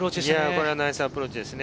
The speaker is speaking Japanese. これはナイスアプローチですね。